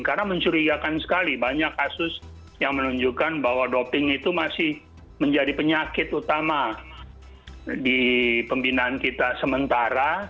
karena mencurigakan sekali banyak kasus yang menunjukkan bahwa doping itu masih menjadi penyakit utama di pembinaan kita sementara